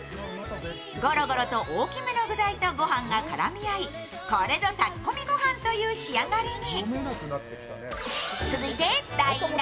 ごろごろと大きめの具材とご飯が絡み合いこれぞ炊き込みご飯という仕上がりに。